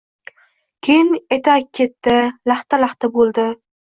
Keyin etak ketdi laxta-laxta boʻldi